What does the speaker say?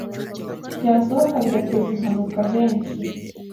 byasohoka bigateza impanuka henshi